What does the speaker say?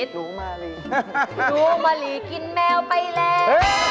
หนูมารีกินแมวไปแล้ว